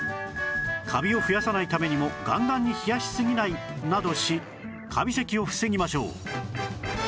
カビを増やさないためにもガンガンに冷やしすぎないなどしカビ咳を防ぎましょう